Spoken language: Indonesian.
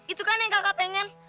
itu kan yang kakak pengen